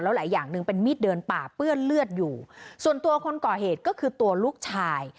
หลายอย่างหนึ่งเป็นมีดเดินป่าเปื้อนเลือดอยู่ส่วนตัวคนก่อเหตุก็คือตัวลูกชาย